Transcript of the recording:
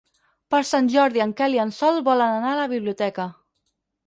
Per Sant Jordi en Quel i en Sol volen anar a la biblioteca.